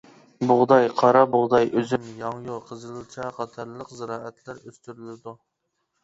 بۇغداي، قارا بۇغداي، ئۈزۈم، ياڭيۇ، قىزىلچا قاتارلىق زىرائەتلەر ئۆستۈرۈلىدۇ.